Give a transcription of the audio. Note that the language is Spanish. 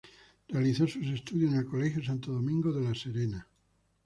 Realizó sus estudios en el Colegio Santo Domingo de La Serena.